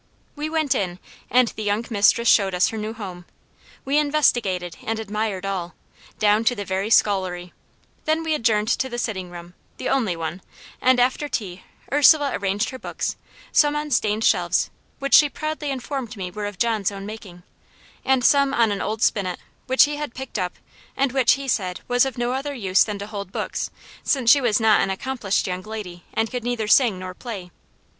We went in, and the young mistress showed us her new house; we investigated and admired all, down to the very scullery; then we adjourned to the sitting room the only one and, after tea, Ursula arranged her books, some on stained shelves, which she proudly informed me were of John's own making, and some on an old spinet, which he had picked up, and which, he said, was of no other use than to hold books, since she was not an accomplished young lady, and could neither sing nor play.